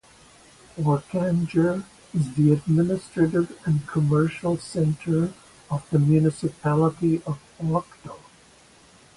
Orkanger is the administrative and commercial centre of the municipality of Orkdal.